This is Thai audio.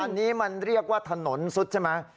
อันนี้มันเรียกว่าถนนซุดใช่ไหม